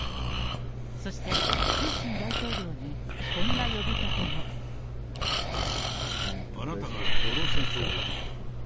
そして、プーチン大統領にこんな呼びかけも。あなたがこの戦争を始めた。